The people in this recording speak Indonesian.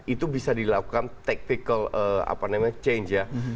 itu bisa dilakukan tactical change ya